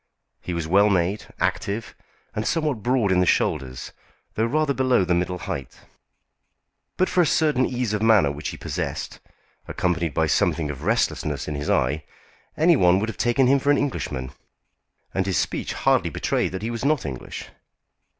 He was well made, active, and somewhat broad in the shoulders, though rather below the middle height. But for a certain ease of manner which he possessed, accompanied by something of restlessness in his eye, any one would have taken him for an Englishman. And his speech hardly betrayed that he was not English.